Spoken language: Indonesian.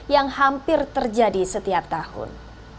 yang hampir terjadi setiap tahun